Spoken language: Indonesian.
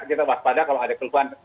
kita waspada kalau ada keluhan